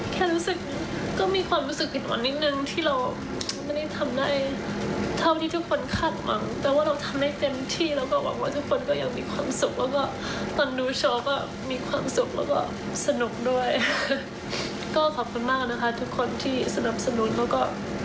ก็ขอบคุณมากนะคะทุกคนที่สนับสนุนแล้วก็